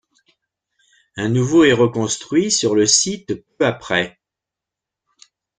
Un nouveau est reconstruit sur le site peu après.